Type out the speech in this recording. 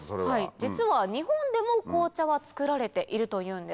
実は日本でも紅茶は作られているというんです。